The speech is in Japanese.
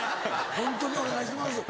ホントにお願いします。